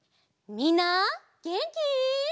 みんなげんき？